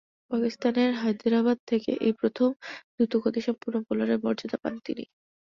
পাকিস্তানের হায়দ্রাবাদ থেকে এই প্রথম দ্রুতগতিসম্পন্ন বোলারের মর্যাদা পান তিনি।